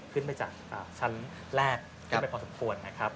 ขึ้นไปจากชั้นแรกขึ้นไปพอสมควรนะครับ